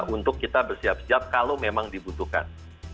untuk kita bersiap siap kalau memang dibutuhkan